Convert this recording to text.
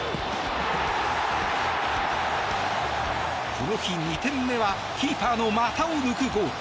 この日、２点目はキーパーの股を抜くゴール。